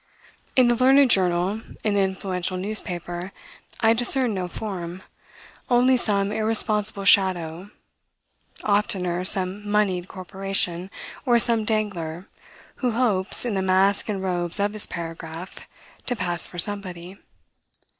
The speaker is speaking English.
In the learned journal, in the influential newspaper, I discern no form; only some irresponsible shadow; oftener some monied corporation, or some dangler, who hopes, in the mask and robes of his paragraph, to pass for somebody.